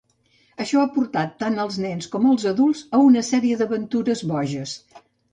Això ha portat, tant als nens com als adults, a una sèrie d'aventures boges.